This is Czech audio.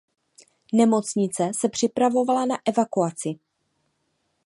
Nemocnice se připravovala na evakuaci.